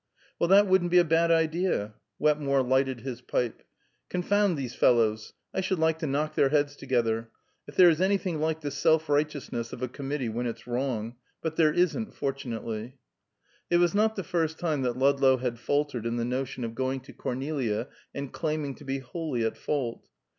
"Well, that wouldn't be a bad idea." Wetmore lighted his pipe. "Confound those fellows! I should like to knock their heads together. If there is anything like the self righteousness of a committee when it's wrong but there isn't, fortunately." It was not the first time that Ludlow had faltered in the notion of going to Cornelia and claiming to be wholly at fault.